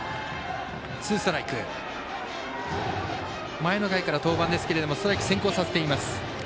前の回から登板ですがストライク先行させています。